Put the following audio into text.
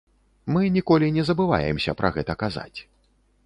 Мы ніколі не забываемся пра гэта казаць.